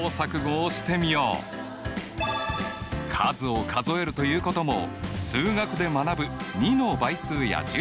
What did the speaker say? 数を数えるということも数学で学ぶ２の倍数や１０の倍数につながっている。